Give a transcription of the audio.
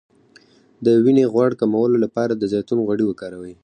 د وینې غوړ کمولو لپاره د زیتون غوړي وکاروئ